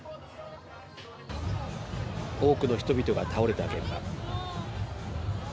多くの人々が倒れた現場。